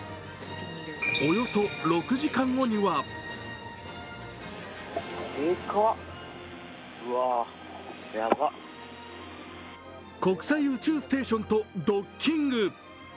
およそ６時間後には、国際宇宙ステーションとドッキング。